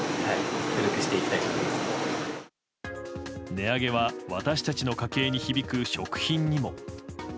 値上げは私たちの家計に響く食品にも。